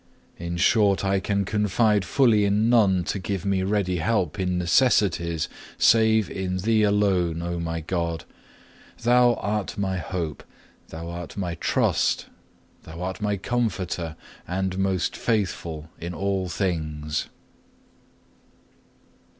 In short I can confide fully in none to give me ready help in necessities, save in Thee alone, O my God. Thou art my hope, Thou art my trust, Thou art my Comforter, and most faithful in all things.